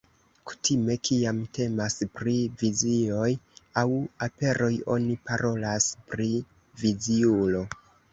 Kutime, kiam temas pri vizioj aŭ aperoj oni parolas pri"viziulo".